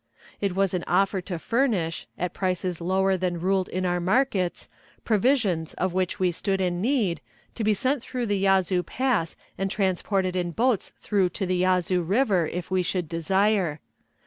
It was an offer to furnish, at prices lower than ruled in our markets, provisions of which we stood in need, to be sent through the Yazoo Pass and transported in boats through to the Yazoo River if we should desire.